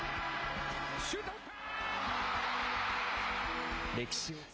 シュート打った！